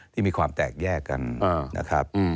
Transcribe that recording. ที่มีความแตกแยกกันนะครับ